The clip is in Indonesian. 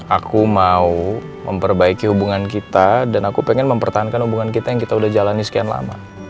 aku mau memperbaiki hubungan kita dan aku pengen mempertahankan hubungan kita yang kita udah jalani sekian lama